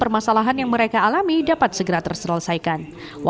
permasalahan yang mereka alami dapat segera terselesaikan